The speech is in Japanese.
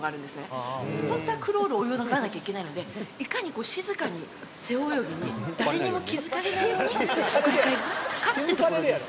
本当はクロール泳がなきゃいけないのでいかに静かに背泳ぎに誰にも気付かれないようにひっくり返るかってところです。